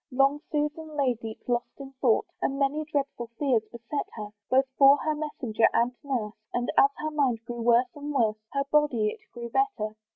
Long Susan lay deep lost in thought, And many dreadful fears beset her, Both for her messenger and nurse; And as her mind grew worse and worse, Her body it grew better.